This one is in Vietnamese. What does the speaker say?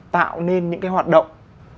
tạo nên những cái hoạt động